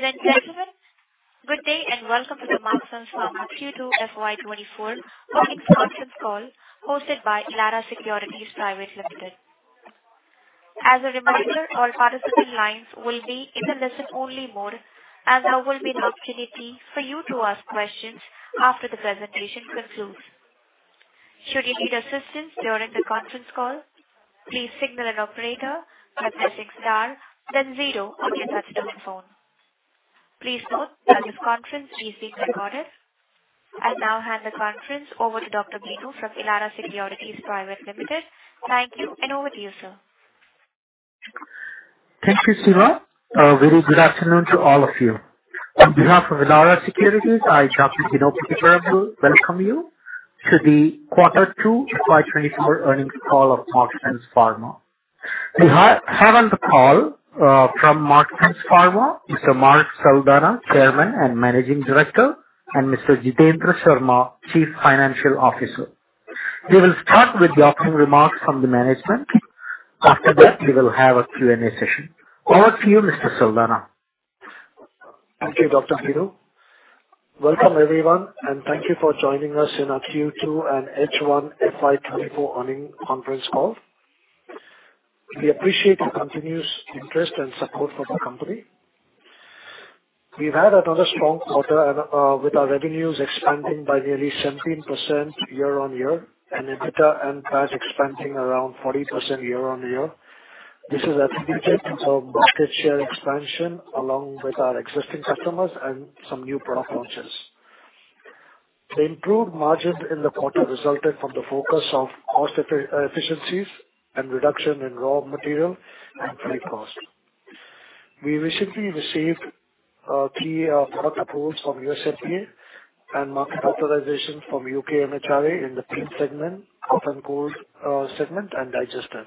Ladies and gentlemen, good day, and welcome to the Marksans Pharma Q2 FY24 earnings conference call, hosted by Elara Securities Private Limited. As a reminder, all participant lines will be in a listen-only mode, and there will be an opportunity for you to ask questions after the presentation concludes. Should you need assistance during the conference call, please signal an operator by pressing star then zero on your touchtone phone. Please note that this conference is being recorded. I now hand the conference over to Dr. Bino Pathiparampil from Elara Securities Private Limited. Thank you, and over to you, sir. Thank you, Siva. A very good afternoon to all of you. On behalf of Elara Securities, I, Dr. Bino Pathiparampil, welcome you to the quarter two FY 2024 earnings call of Marksans Pharma. We have on the call, from Marksans Pharma, Mr. Mark Saldanha, Chairman and Managing Director, and Mr. Jitendra Sharma, Chief Financial Officer. We will start with the opening remarks from the management. After that, we will have a Q&A session. Over to you, Mr. Saldanha. Thank you, Dr. Bino. Welcome, everyone, and thank you for joining us in our Q2 and H1 FY 2024 earnings conference call. We appreciate your continuous interest and support for the company. We've had another strong quarter with our revenues expanding by nearly 17% year-on-year, and EBITDA and PAT expanding around 40% year-on-year. This is attributed to market share expansion, along with our existing customers and some new product launches. The improved margins in the quarter resulted from the focus on cost efficiencies and reduction in raw material and freight costs. We recently received three product approvals from USFDA and market authorization from U.K. MHRA in the pain segment, cough and cold segment, and digestion.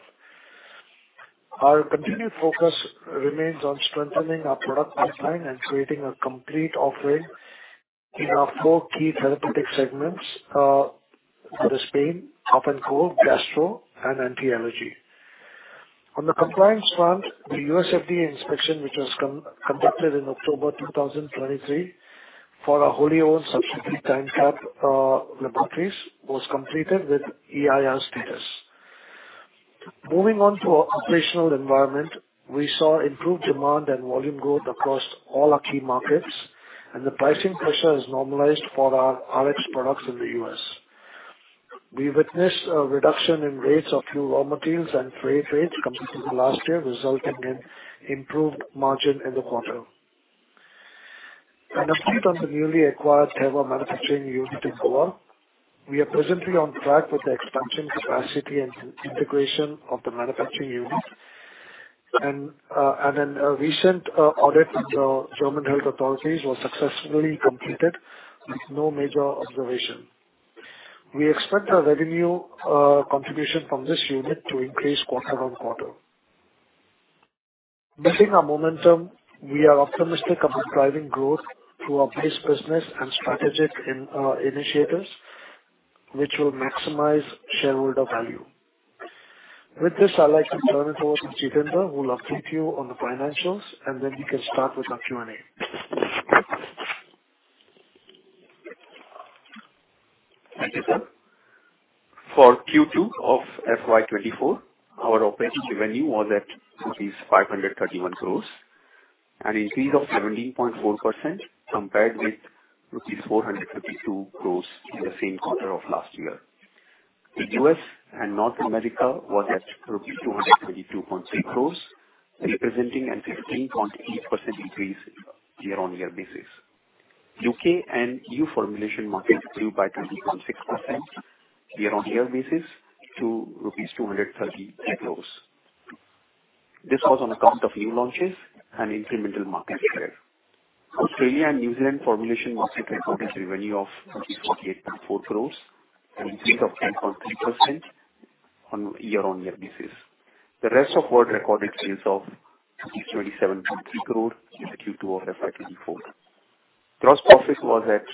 Our continued focus remains on strengthening our product pipeline and creating a complete offering in our four key therapeutic segments, that is pain, cough and cold, gastro, and anti-allergy. On the compliance front, the USFDA inspection, which was conducted in October 2023 for our wholly-owned subsidiary, Time-Cap Laboratories, was completed with EIR status. Moving on to our operational environment, we saw improved demand and volume growth across all our key markets, and the pricing pressure has normalized for our RX products in the U.S. We witnessed a reduction in rates of few raw materials and freight rates compared to the last year, resulting in improved margin in the quarter. An update on the newly acquired Teva manufacturing unit in Goa. We are presently on track with the expansion capacity and integration of the manufacturing unit. A recent audit from the German health authorities was successfully completed with no major observation. We expect our revenue contribution from this unit to increase quarter on quarter. Building on our momentum, we are optimistic about driving growth through our base business and strategic initiatives, which will maximize shareholder value. With this, I'd like to turn it over to Jitendra, who will update you on the financials, and then we can start with our Q&A. Thank you, sir. For Q2 of FY 2024, our operating revenue was at rupees 531 crores, an increase of 17.4% compared with rupees 452 crores in the same quarter of last year. The U.S. and North America was at 232.6 crores, representing a 15.8% increase year-on-year basis. U.K. and E.U. formulation markets grew by 20.6% year-on-year basis to rupees 238 crores. This was on account of new launches and incremental market share. Australia and New Zealand formulation market recorded revenue of 48.4 crores, an increase of 10.3% on year-on-year basis. The rest of world recorded sales of 27.3 crore in the Q2 of FY 2024. Gross profit was at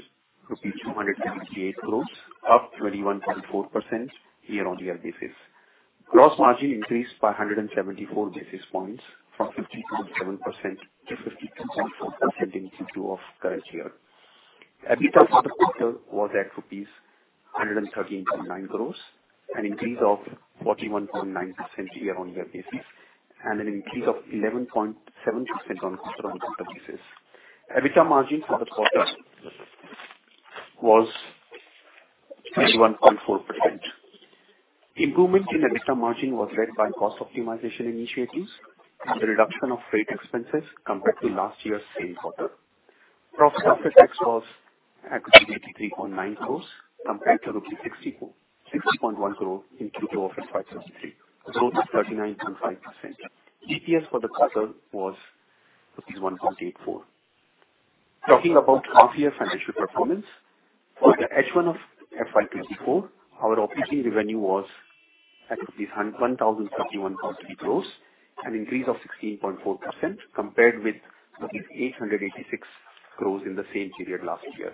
rupees 288 crores, up 21.4% year-on-year basis. Gross margin increased by 174 basis points, from 50.7%-2.4% in Q2 of current year. EBITDA for the quarter was at rupees 113.9 crores, an increase of 41.9% year-on-year basis, and an increase of 11.7% on quarter-on-quarter basis. EBITDA margin for the quarter was 21.4%. Improvement in EBITDA margin was led by cost optimization initiatives and the reduction of freight expenses compared to last year's same quarter. Profit after tax was at 83.9 crores, compared to rupees 60.1 crore in Q2 of FY 2023, a growth of 39.5%. EPS for the quarter was 1.84. Talking about half year financial performance, for the H1 of FY 2024, our operating revenue was at rupees 1,031 crore, an increase of 16.4% compared with rupees 886 crore in the same period last year.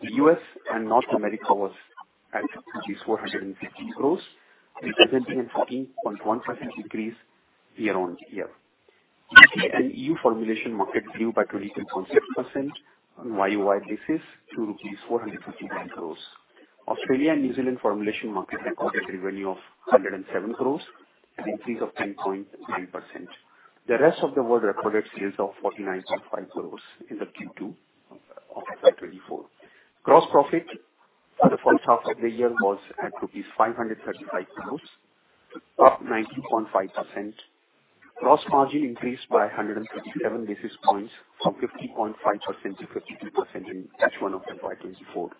The U.S. and North America was at rupees 450 crore, representing a 14.1% increase year-on-year. U.K. and E.U. formulation market grew by 22.6% on YOY basis to rupees 459 crore. Australia and New Zealand formulation market recorded revenue of 107 crore, an increase of 10.9%. The rest of the world recorded sales of 49.5 crore in the Q2 of FY 2024. Gross profit for the first half of the year was at INR 535 crore, up 19.5%. Gross margin increased by 137 basis points from 50.5%-52% in H1 of FY 2024.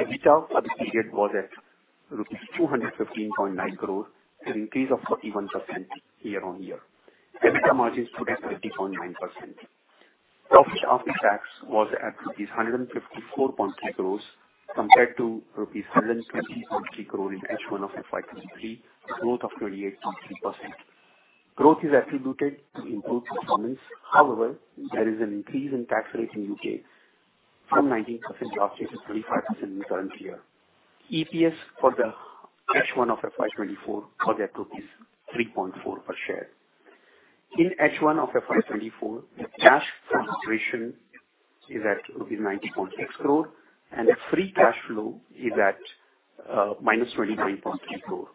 EBITDA for this period was at rupees 215.9 crores, an increase of 31% year-on-year. EBITDA margins stood at 30.9%. Profit after tax was at rupees 154.3 crores compared to rupees 120.3 crores in H1 of FY 2023, a growth of 28.3%. Growth is attributed to improved performance. However, there is an increase in tax rate in U.K. from 19% to obviously 25% in the current year. EPS for the H1 of FY 2024 was at 3.4 per share. In H1 of FY 2024, the cash from operations is at rupees 90.6 crores, and the free cash flow is at -29.3 crores.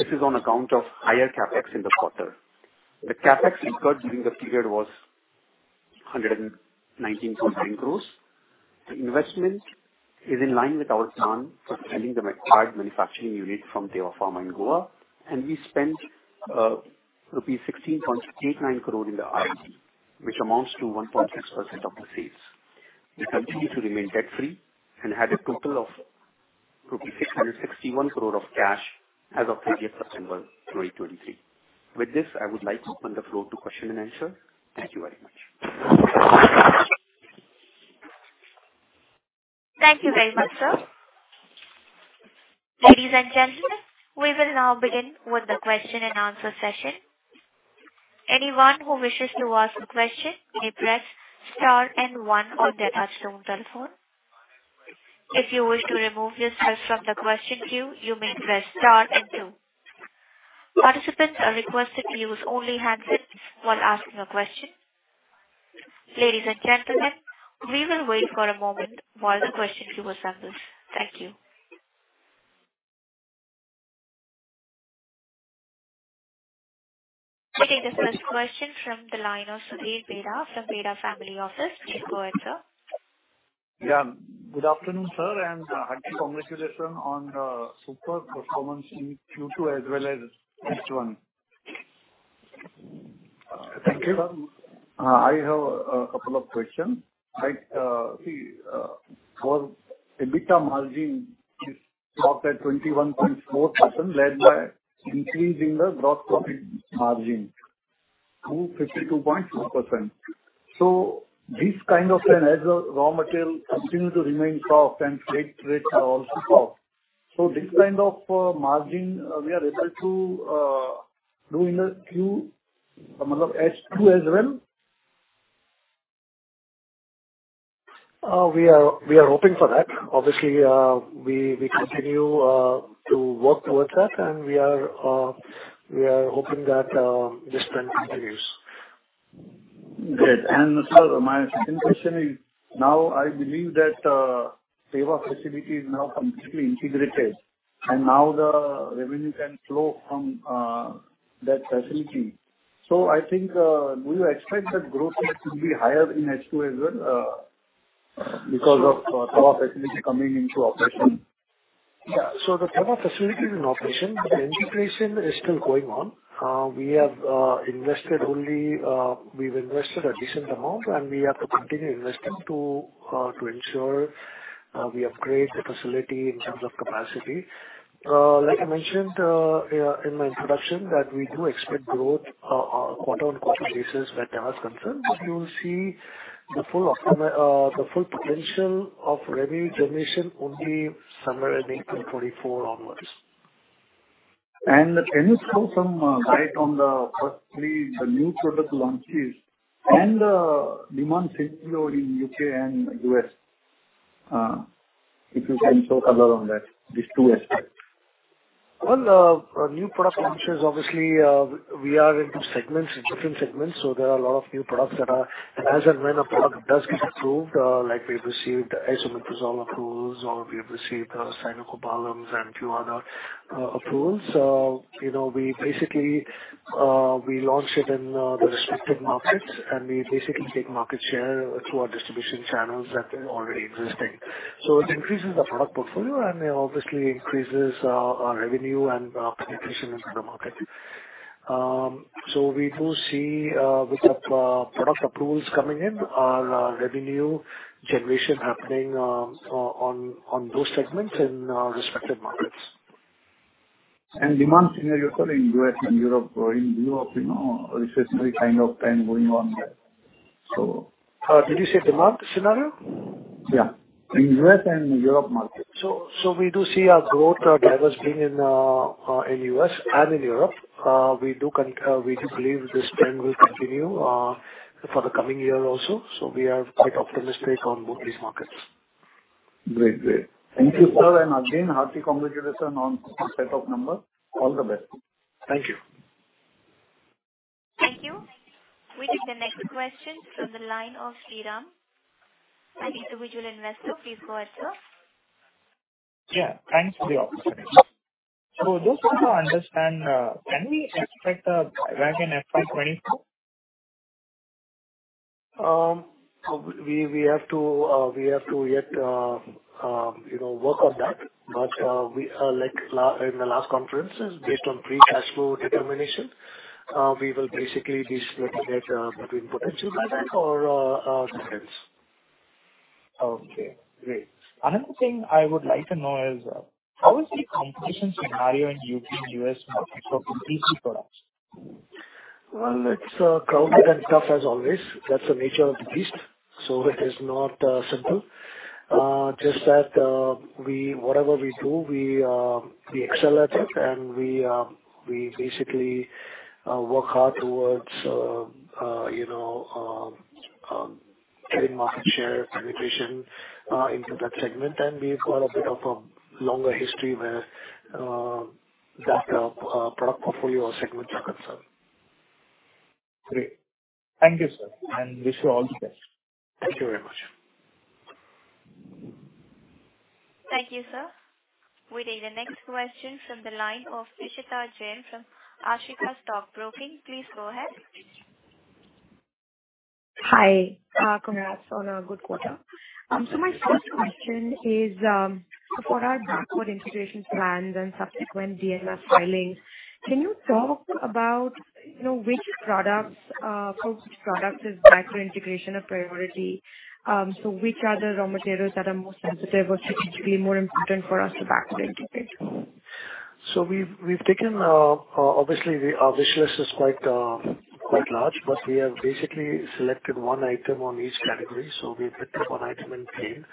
This is on account of higher CapEx in the quarter. The CapEx incurred during the period was 119.9 crores. The investment is in line with our plan for expanding the acquired manufacturing unit from Teva Pharma in Goa, and we spent rupees 16.89 crores in the R&D, which amounts to 1.6% of the sales. We continue to remain debt-free and had a total of rupees 661 crore of cash as of 31 December 2023. With this, I would like to open the floor to question-and-answer. Thank you very much. Thank you very much, sir. Ladies and gentlemen, we will now begin with the question-and-answer session. Anyone who wishes to ask a question, may press star and one on their touchtone telephone. If you wish to remove yourself from the question queue, you may press star and two. Participants are requested to use only handsets while asking a question. Ladies and gentlemen, we will wait for a moment while the question queue assembles. Thank you. Okay, the first question from the line of Sudhir Bheda from Bheda Family Office. Please go ahead, sir. Yeah. Good afternoon, sir, and hearty congratulations on the super performance in Q2 as well as H1. Thank you. I have a couple of questions. Right, the EBITDA margin is up at 21.4%, led by increase in the gross profit margin to 52.4%. So this kind of a hedge of raw material continues to remain soft and freight rates are also soft. So this kind of margin we are able to do in the Q... I mean, H2 as well? We are hoping for that. Obviously, we continue to work towards that, and we are hoping that this trend continues. Great. So my second question is, now I believe that, Teva facility is now completely integrated, and now the revenue can flow from, that facility. So I think, do you expect that growth rate to be higher in H2 as well, because of, Teva facility coming into operation? Yeah. So the Teva facility is in operation, but the integration is still going on. We have invested only, we've invested a decent amount, and we have to continue investing to ensure we upgrade the facility in terms of capacity. Like I mentioned, yeah, in my introduction that we do expect growth on a quarter-on-quarter basis, where Teva is concerned, but you will see the full potential of revenue generation only somewhere in 2024 onwards. Can you throw some light on the first three, the new product launches and the demand scenario in U.K. and U.S.? If you can throw color on that, these two aspects? Well, for new product launches, obviously, we are into segments, different segments, so there are a lot of new products that are... As and when a product does get approved, like we've received Esomeprazole approvals or we've received Cyanocobalamin and few other approvals. So you know, we basically, we launch it in the respective markets, and we basically take market share through our distribution channels that are already existing. So it increases the product portfolio and obviously increases our revenue and penetration in the market. So we do see, with the product approvals coming in, our revenue generation happening on those segments in respective markets. Demand scenario for India, U.S. and Europe. In Europe, you know, recessionary kind of trend going on there, so. Did you say demand scenario? Yeah, in U.S. and Europe market. So we do see our growth diversifying in U.S. and in Europe. We do believe this trend will continue for the coming year also. We are quite optimistic on both these markets. Great. Great. Thank you, sir, and again, hearty congratulations on set of numbers. All the best. Thank you. Thank you. We take the next question from the line of Sriram, an individual investor. Please go ahead, sir. Yeah, thanks for the opportunity. So just to understand, can we expect a buyback FY24? We have to yet, you know, work on that. But, we are like in the last conferences, based on free cash flow determination, we will basically be splitting it, difference. Okay, great. Another thing I would like to know is, how is the competition scenario in U.K. and U.S. market for PC products? Well, it's crowded and tough as always. That's the nature of the beast, so it is not simple. Just that, we whatever we do, we excel at it, and we we basically work hard towards, you know, getting market share penetration into that segment and we've got a bit of a longer history where that product portfolio or segments are concerned. Great. Thank you, sir, and wish you all the best. Thank you very much. Thank you, sir. We take the next question from the line of Ishita Jain from Ashika Stock Broking. Please go ahead. Hi, congrats on a good quarter. My first question is, for our backward integration plans and subsequent DMF filings, can you talk about, you know, which products, for which products is backward integration a priority? Which are the raw materials that are more sensitive or strategically more important for us to backward integrate? So we've taken. Obviously, our wish list is quite large, but we have basically selected one item on each category. So we've picked up one item in pain,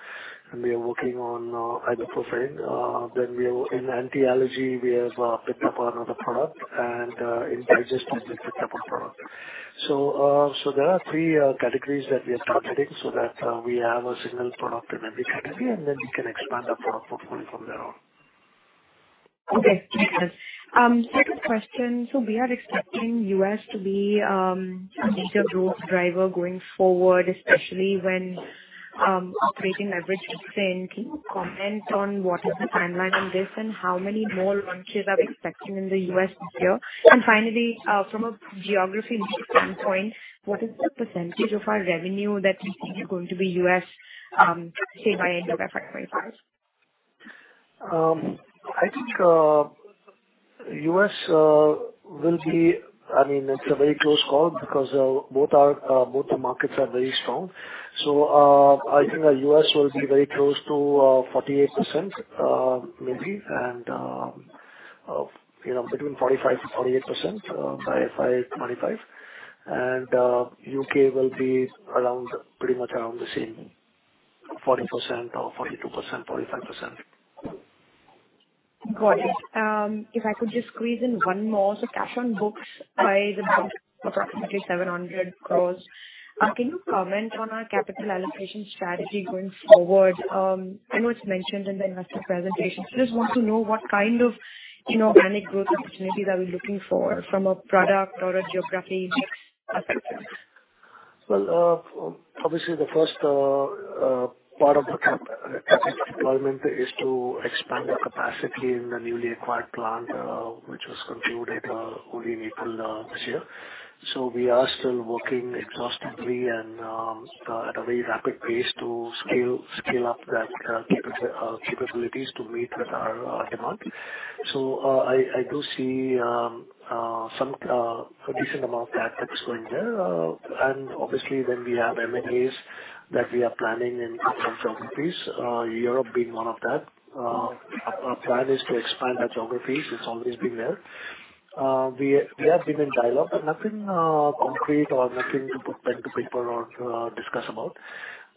and we are working on Ibuprofen. Then we are in anti-allergy, we have picked up another product, and in digestion, we picked up a product. So there are three categories that we are targeting so that we have a signal product in every category, and then we can expand our product portfolio from there on. Okay, thank you, sir. Second question, so we are expecting U.S. to be, a major growth driver going forward, especially when, operating leverage is same. Can you comment on what is the timeline on this, and how many more launches are we expecting in the U.S. this year? Finally, from a geography mix standpoint, what is the percentage of our revenue that you think is going to be U.S., say, by end of FY 25? I think U.S. will be... I mean, it's a very close call because both the markets are very strong. So, I think the U.S. will be very close to 48%, maybe, and you know, between 45%-48% by FY 2025. U.K. will be around, pretty much around the same, 40% or 42%, 45%. Got it. If I could just squeeze in one more. So cash on books by the approximately 700 crore. Can you comment on our capital allocation strategy going forward? I know it's mentioned in the investor presentation. I just want to know what kind of, you know, organic growth opportunities are we looking for from a product or a geography perspective? Well, obviously, the first part of the capital deployment is to expand the capacity in the newly acquired plant, which was completed only in April this year. So we are still working exhaustively and at a very rapid pace to scale up that capabilities to meet with our demand. So, I do see a decent amount of CapEx going there and obviously, when we have M&As that we are planning in different geographies, Europe being one of that, our plan is to expand our geographies. It's always been there. We have been in dialogue, but nothing concrete or nothing to put pen to paper or discuss about.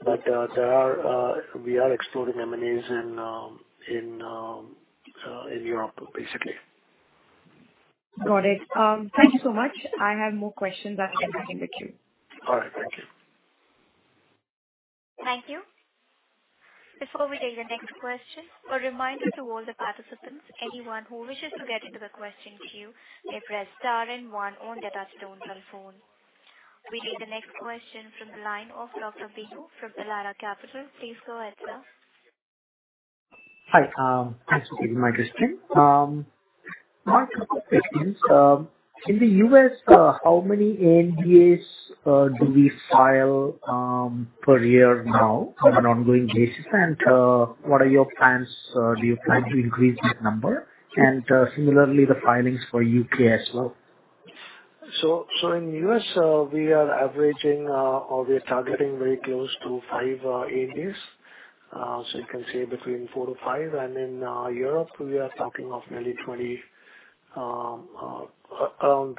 But there are... We are exploring M&As in Europe, basically. Got it. Thank you so much. I have more questions, but I'll get back in the queue. All right. Thank you. Thank you. Before we take the next question, a reminder to all the participants, anyone who wishes to get into the question queue, may press star and one on their touch-tone phone. We take the next question from the line of Nitin from DAM Capital. Please go ahead, sir. Hi, thanks for taking my question. My couple questions, in the U.S., how many ANDAs do we file per year now on an ongoing basis? What are your plans? Do you plan to increase this number? Similarly, the filings for U.K. as well. So in U.S., we are averaging or we are targeting very close to 5 ANDAs. So you can say between 4-5 and in Europe, we are talking of nearly 20 authorizations, around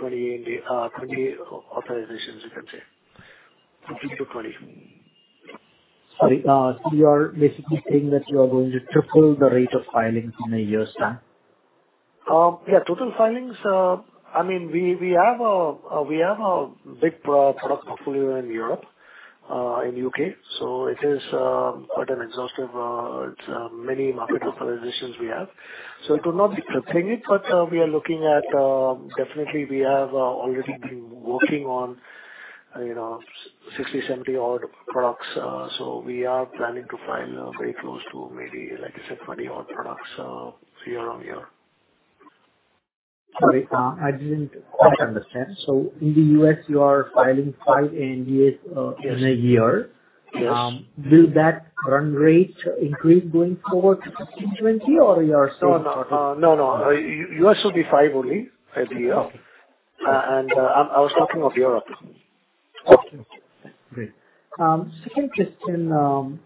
20, you can say. 15-20. Sorry, so you are basically saying that you are going to triple the rate of filings in a year's time? Yeah, total filings, I mean, we have a big product portfolio in Europe, in U.K. So it is quite an exhaustive, it's many market authorizations we have. So it will not be tripling, but we are looking at... Definitely, we have already been working on, you know, 60, 70-odd products. So we are planning to file very close to maybe, like I said, 20-odd products year on year. Sorry, I didn't quite understand. In the U.S., you are filing five ANDAs in a year? Yes. Will that run rate increase going forward to 16, 20, or you are still- No, no. No, no. U.S. will be five only every year. I was talking of Europe. Okay, great. Second question,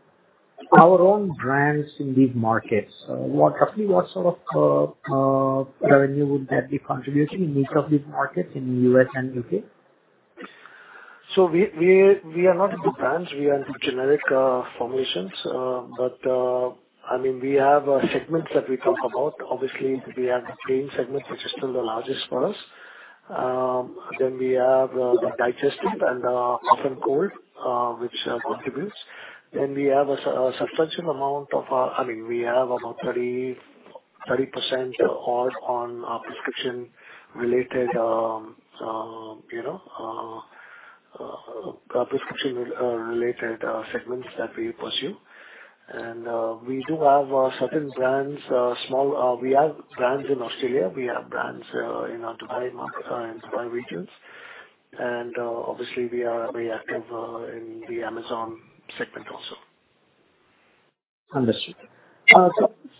our own brands in these markets, roughly, what sort of revenue would that be contributing in each of these markets in the U.S. and U.K.? So we are not into brands, we are into generic formulations. But I mean, we have segments that we talk about. Obviously, we have the pain segment, which is still the largest for us. Then we have the digestive and cough and cold, which contributes. Then we have a substantial amount of. I mean, we have about 30% odd on our prescription-related, you know, prescription related segments that we pursue and we do have certain brands, small, we have brands in Australia, we have brands in our Dubai market, in Dubai regions and obviously, we are very active in the Amazon segment also. Understood. So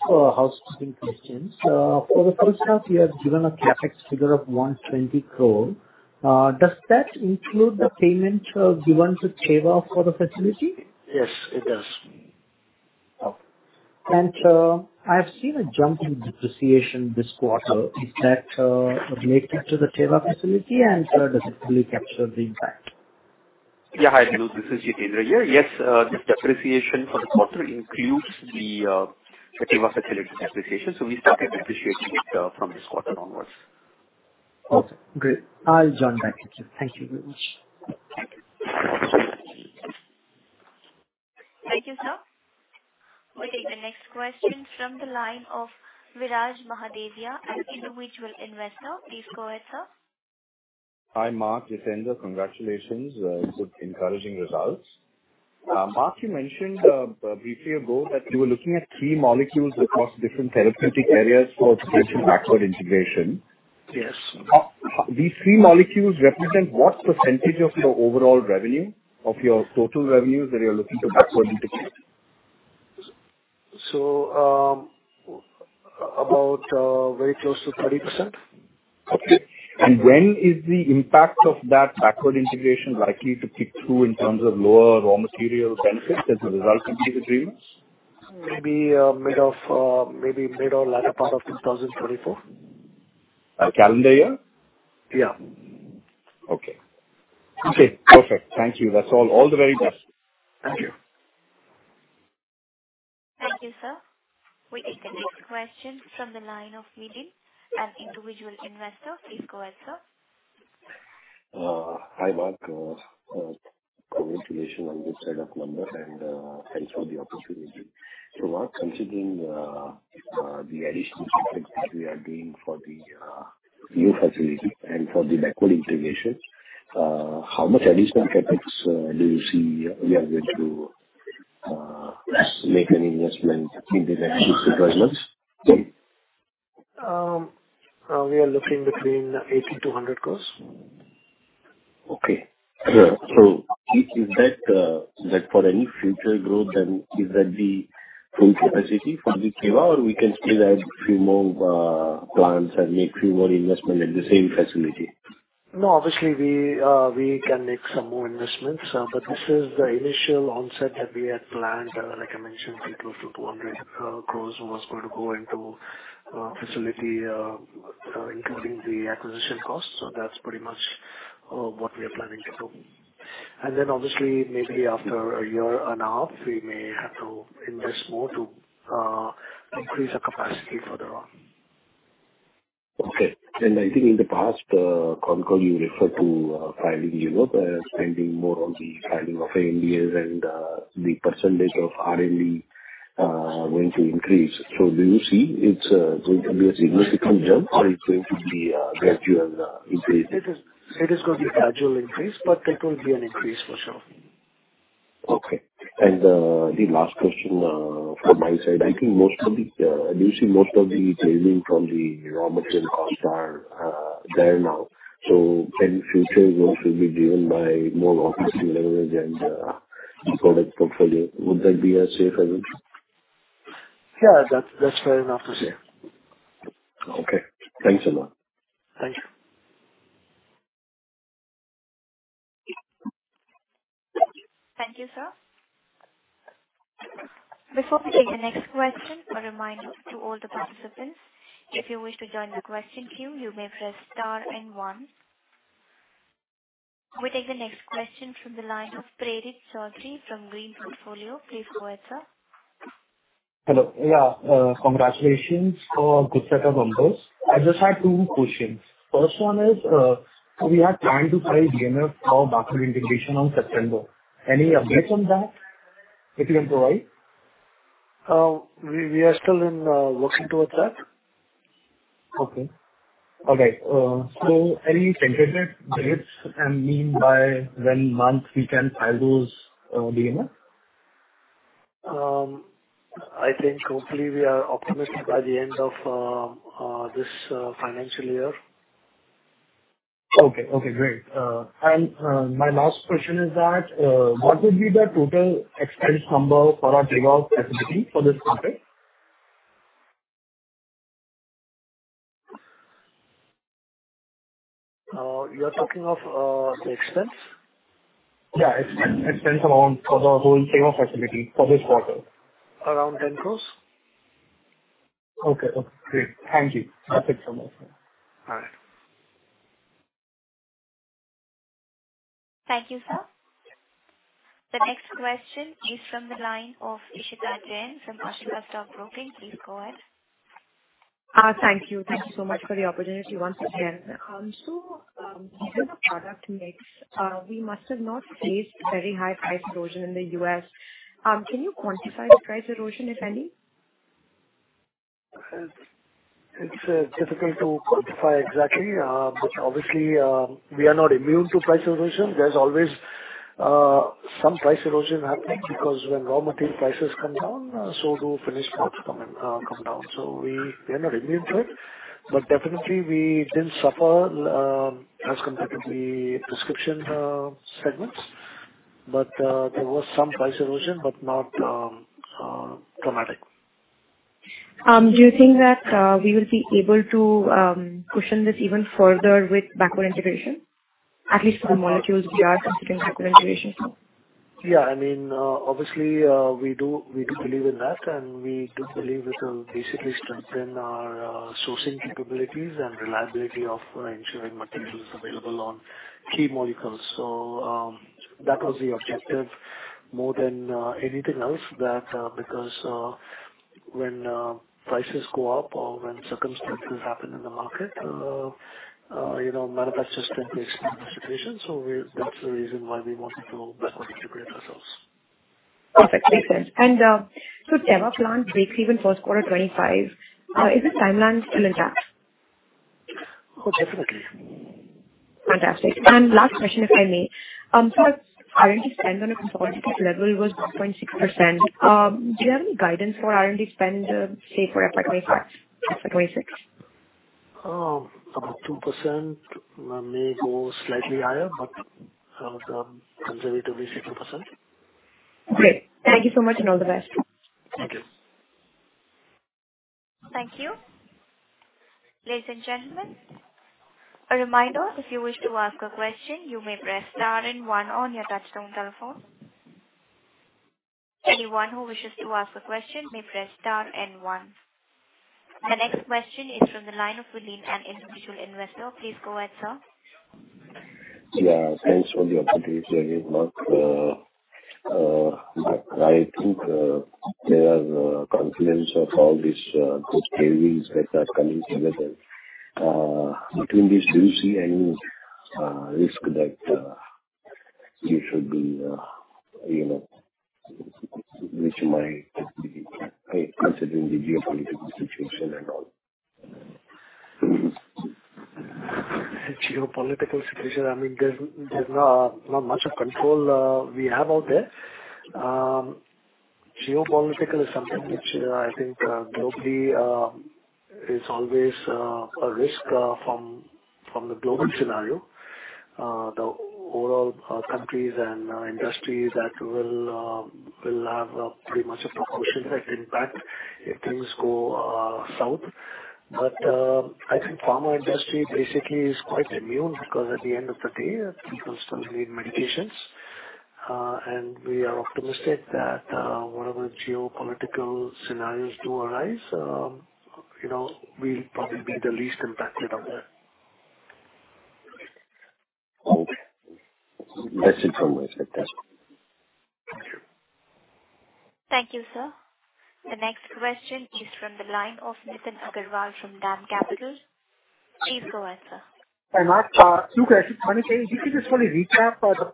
for housekeeping questions, for the first half, you have given a CapEx figure of 120 crore. Does that include the payment given to Teva for the facility? Yes, it does. Okay. I've seen a jump in depreciation this quarter. Is that related to the Teva facility, and does it fully capture the impact? Yeah. Hi, Nitin, this is Jitendra here. Yes, the depreciation for the quarter includes the Teva facility depreciation. So we started depreciating it from this quarter onwards. Okay, great. I'll join back with you. Thank you very much. Thank you, sir. We'll take the next question from the line of Viraj Mahadevia, an individual investor. Please go ahead, sir. Hi, Mark, Jitendra. Congratulations, good encouraging results. Mark, you mentioned briefly ago that you were looking at three molecules across different therapeutic areas for potential backward integration. Yes. These three molecules represent what percentage of your overall revenue, of your total revenue, that you're looking to backward integrate? About very close to 30%. Okay. When is the impact of that backward integration likely to kick through in terms of lower raw material benefits as a result of these agreements? Maybe mid of, maybe mid or latter part of 2024. Calendar year? Yeah. Okay. Okay. Perfect. Thank you. That's all. All the very best. Thank you. Thank you, sir. We take the next question from the line of Midhin, an individual investor. Please go ahead, sir. Hi, Mark. Congratulations on this set of numbers and thanks for the opportunity. So, Mark, considering the additional CapEx which we are doing for the new facility and for the backward integration, how much additional CapEx do you see we are going to make an investment in the next six months? We are looking between 80-100 crore. Okay. So is that for any future growth, and is that the full capacity for the Teva, or we can still add few more plants and make few more investment at the same facility? No, obviously we can make some more investments, but this is the initial onset that we had planned. Like I mentioned, between INR 2 -INR 200 crores was going to go into facility, including the acquisition costs. So that's pretty much what we are planning to do. Then obviously, maybe after a year and a half, we may have to invest more to increase our capacity further on. Okay. I think in the past, concall, you referred to filing in Europe and spending more on the filing of ANDAs and the percentage of R&D going to increase. Do you see it's going to be a significant jump, or it's going to be a gradual increase? It is going to be gradual increase, but there will be an increase for sure. Okay. The last question from my side: I think most of the do you see most of the savings from the raw material costs are there now? So then future growth will be driven by more R&D leverage and product portfolio. Would that be a safe assumption? Yeah, that's fair enough to say. Okay. Thanks a lot. Thank you. Thank you sure. Before we take the next question, a reminder to all the participants, if you wish to join the question queue, you may press star and one. We take the next question from the line of Prerit Chaudhary from Green Portfolio. Please go ahead, sir. Hello. Yeah, congratulations for good set of numbers. I just had two questions. First one is, we are trying to file DMF for backward integration on September. Any updates on that you can provide? We are still working towards that. Okay. All right, so any tentative dates and mean by when month we can file those, DMF? I think hopefully we are optimistic by the end of this financial year. Okay. Okay, great. My last question is that what would be the total expense number for our Teva Goa facility for this quarter? You are talking of the expense? Yeah. Expense amount for the whole Teva Pharma facility for this quarter. Around 10 crore. Okay. Okay, great. Thank you. That's it from my side. All right. Thank you, sir. The next question is from the line of Ishita Jain from Ashika Stock Broking. Please go ahead. Thank you. Thank you so much for the opportunity once again. So, given the product mix, we must have not faced very high price erosion in the U.S. Can you quantify the price erosion, if any? It's difficult to quantify exactly, but obviously, we are not immune to price erosion. There's always some price erosion happening because when raw material prices come down, so do finished products come down. So we are not immune to it, but definitely we didn't suffer as compared to the prescription segments. But there was some price erosion, but not dramatic. Do you think that we will be able to cushion this even further with backward integration, at least for the molecules we are considering backward integration? Yeah, I mean, obviously, we do, we do believe in that, and we do believe it will basically strengthen our sourcing capabilities and reliability of ensuring materials available on key molecules. So, that was the objective more than anything else that, because when prices go up or when circumstances happen in the market, you know, manifests just increases situation. That's the reason why we wanted to backward integrate ourselves. Perfect. Makes sense. So Teva plant breakeven first quarter 2025, is the timeline still intact? Oh, definitely. Fantastic. Last question, if I may. So, R&D spend on a consolidated level was 0.6%. Do you have any guidance for R&D spend, say, for FY 2025, FY 2026? About 2%. May go slightly higher, but, conservatively 2%. Great. Thank you so much, and all the best. Thank you. Thank you. Ladies and gentlemen, a reminder, if you wish to ask a question, you may press star and one on your touchtone telephone. Anyone who wishes to ask a question, may press star and one. The next question is from the line of Mulin, an individual investor. Please go ahead, sir. Yeah. Thanks for the opportunity again, Mark. I think there are confluence of all these good tailwinds that are coming together. Between these, do you see any risk that you should be, you know, which might be, considering the geopolitical situation and all? Geopolitical situation, I mean, there's not much control we have out there. Geopolitical is something which I think globally is always a risk from the global scenario. The overall countries and industries that will have pretty much a proportional impact if things go south. But I think pharma industry basically is quite immune, because at the end of the day, people still need medications and we are optimistic that whatever geopolitical scenarios do arise, you know, we'll probably be the least impacted of that. Okay. That's it from my side. Thank you. Thank you, sir. The next question is from the line of Nitin Agarwal from DAM Capital. Please go ahead, sir. Hi, Mark. Two questions. One is, can you just quickly recap the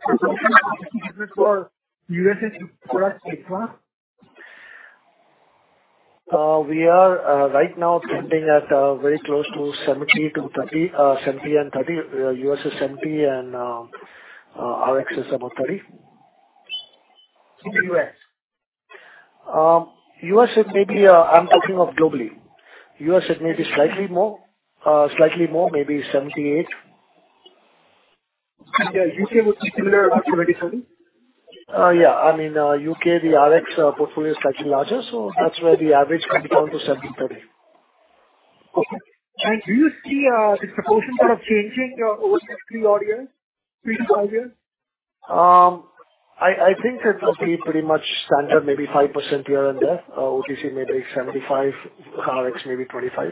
for U.S.A product...? We are right now standing at very close to 70 to 30, 70 and 30. USA is 70 and RX is about 30. In the U.S.? U.S. it may be, I'm talking of globally. U.S. it may be slightly more, slightly more, maybe 78. Yeah. U.K. would be similar, about 77? Yeah. I mean, U.K., the RX portfolio is slightly larger, so that's why the average comes down to 70-30. Okay. Do you see this proportion sort of changing over the next three years? I think that will be pretty much standard, maybe 5% here and there. OTC may be 75%, RX maybe 25%.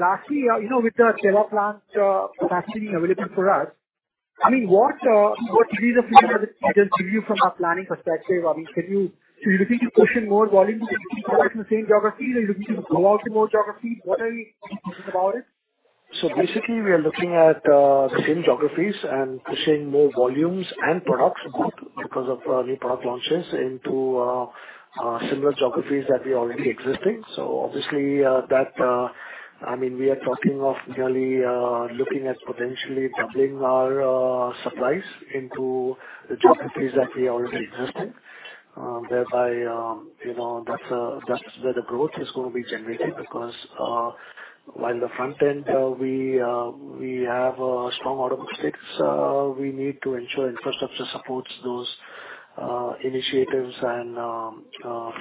Lastly, you know, with the Teva plant capacity available for us, I mean, what, what degrees of freedom does it give you from a planning perspective? I mean, can you—do you think you're pushing more volume in the same geographies, or you looking to go out to more geographies? What are you thinking about it? So basically, we are looking at the same geographies and pushing more volumes and products because of new product launches into similar geographies that we already existing. So obviously, that, I mean, we are talking of nearly looking at potentially doubling our supplies into the geographies that we already exist in. Thereby, you know, that's where the growth is going to be generated because while the front end we have a strong order book status, we need to ensure infrastructure supports those initiatives and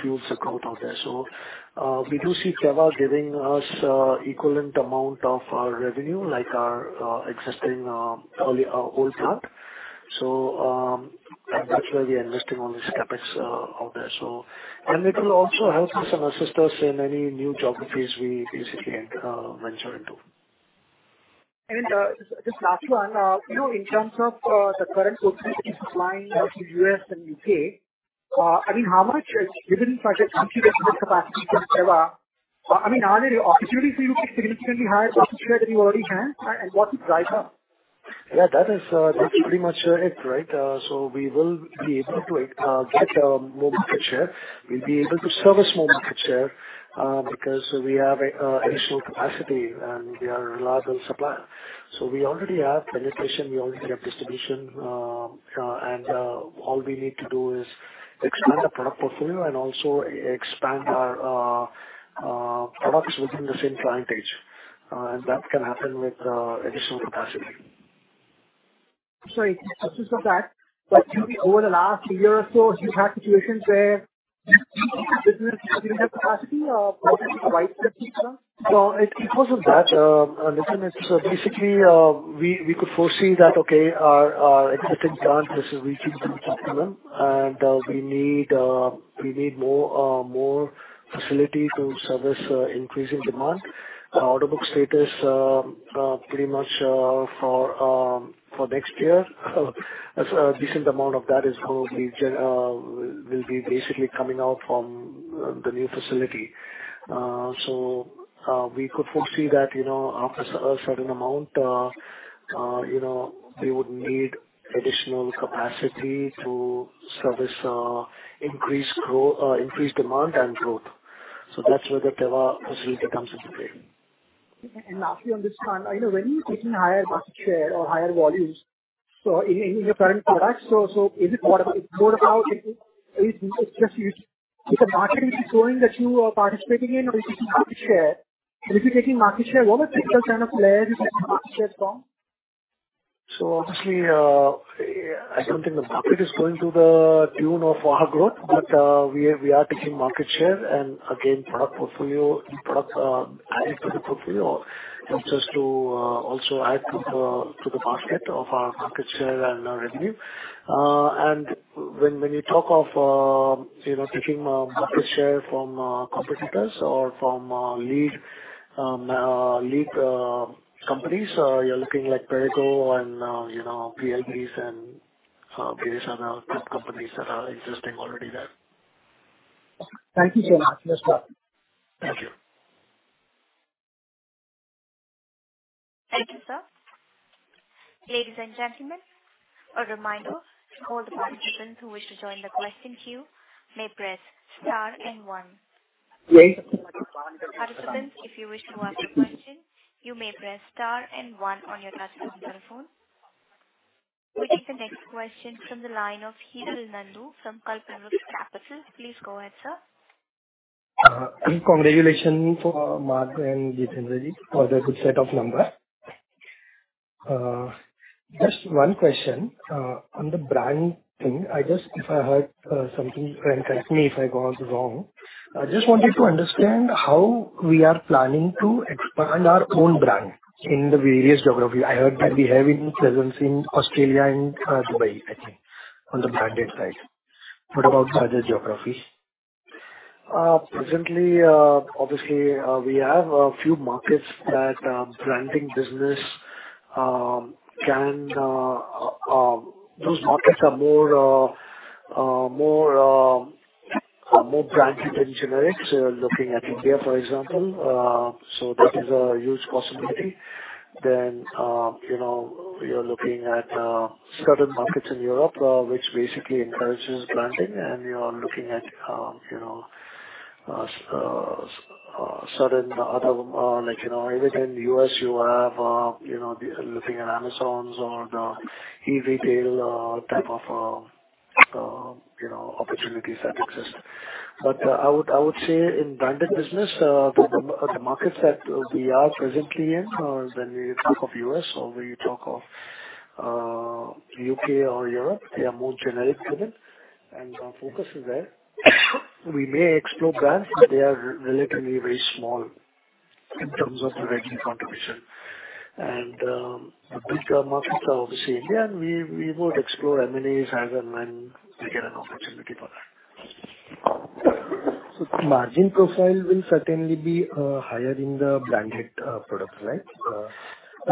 fuels the growth out there. So we do see Teva giving us equivalent amount of revenue, like our existing early old plant. So and that's where we are investing all this CapEx out there. It will also help us and assist us in any new geographies we basically venture into. Just last one. You know, in terms of the current OTC supplying out to U.S. and U.K., I mean, how much is given project capacity from Teva? I mean, are there opportunities for you to significantly higher than you already have, and what drives up? Yeah, that is, that's pretty much it, right? So we will be able to get more market share. We'll be able to service more market share, because we have additional capacity and we are a reliable supplier. So we already have penetration, we already have distribution, and all we need to do is expand the product portfolio and also expand our products within the same client base. That can happen with additional capacity. Sorry, just for that, but over the last year or so, you've had situations where you have capacity or provide capacity? Well, it wasn't that. Listen, so basically, we could foresee that, okay, our existing plant is reaching to the maximum, and we need more facility to service increasing demand. Our order book status pretty much for next year, as a decent amount of that will be basically coming out from the new facility. So, we could foresee that, you know, after a certain amount, you know, we would need additional capacity to service increased demand and growth. So that's where the Teva facility comes into play. Lastly on this one, I know when you're taking higher market share or higher volumes, so in your current products, so is it more about, is it just you-- is the market growing that you are participating in or is it market share? If you're taking market share, what are the kind of players you taking market share from? So obviously, I don't think the market is growing to the tune of our growth, but, we are taking market share. Again, product portfolio, new products, added to the portfolio helps us to, also add to the, to the market of our market share and our revenue and when you talk of, you know, taking, market share from, competitors or from, lead companies, you're looking like Perrigo and, you know, PLD and, various other companies that are existing already there. Thank you so much. Thank you. Thank you, sir. Ladies and gentlemen, a reminder to all the participants who wish to join the question queue may press star and one. Great. Participants, if you wish to ask a question, you may press star and one on your touchtone phone. We take the next question from the line of Hiral Nandu from Kalpvruksh Capital. Please go ahead, sir. Congratulations for Mark and Jitendra for the good set of numbers. Just one question on the brand thing. I just, if I heard something, and correct me if I got it wrong. I just wanted to understand how we are planning to expand our own brand in the various geographies. I heard that we have presence in Australia and Dubai, I think, on the branded side. What about other geographies? Presently, obviously, we have a few markets that branding business can... Those markets are more branded than generics. Looking at India, for example, so that is a huge possibility. Then, you know, we are looking at certain markets in Europe, which basically encourages branding, and we are looking at, you know, certain other, like, you know, even in U.S., you have, you know, looking at Amazon's or the e-retail type of, you know, opportunities that exist. But I would, I would say in branded business the markets that we are presently in, when you talk of U.S. or when you talk of U.K. or Europe, they are more generic driven, and our focus is there. We may explore brands, but they are relatively very small in terms of revenue contribution. The big markets are obviously India, and we would explore M&As as and when we get an opportunity for that. So margin profile will certainly be higher in the branded products, right?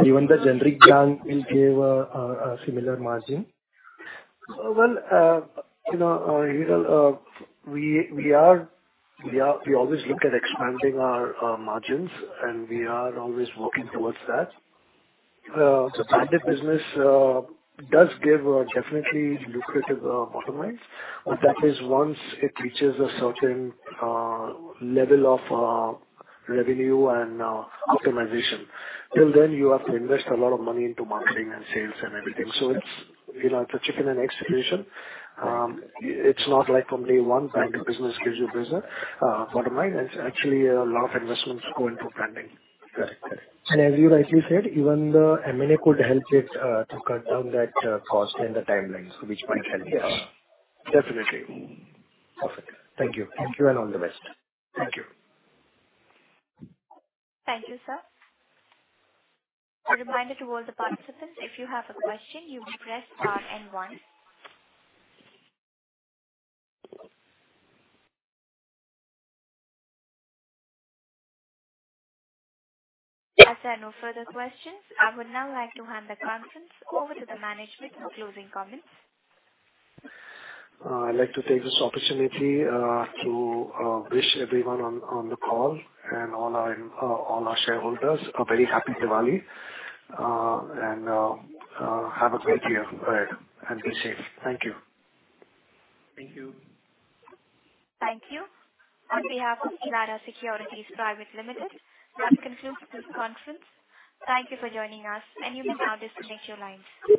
Even the generic brand will give a similar margin? Well, you know, we always look at expanding our margins, and we are always working towards that. The branded business does give definitely lucrative bottom lines, but that is once it reaches a certain level of revenue and optimization. Till then, you have to invest a lot of money into marketing and sales and everything. So it's, you know, it's a chicken and egg situation. It's not like from day one, branded business gives you business bottom line. It's actually a lot of investments go into branding. Correct. As you rightly said, even the M&A could help it to cut down that cost and the timelines, which might help. Yes, definitely. Perfect. Thank you. All the best. Thank you. Thank you. Thank you, sir. A reminder to all the participants, if you have a question, you may press star and one. As there are no further questions, I would now like to hand the conference over to the management for closing comments. I'd like to take this opportunity to wish everyone on the call and all our shareholders a very happy Diwali, and have a great year ahead, and be safe. Thank you. Thank you. Thank you. On behalf of Elara Securities Private Limited, that concludes this conference. Thank you for joining us, and you may now disconnect your lines.